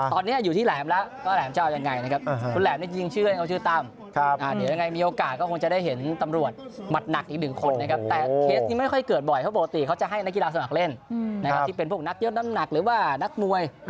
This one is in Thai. ตอนนี้อยู่ที่แหลมแล้วก็แหลมจะเอายังไงนะครับ